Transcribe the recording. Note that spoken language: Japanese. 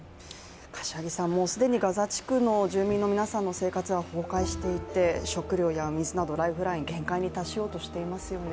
もう既にガザ地区の住民の皆さんの生活は破綻していて、食料や水など、ライフライン限界に達しようとしていますよね。